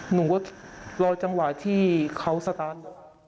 หนูก็รอจังหวะที่เขาสตาร์ท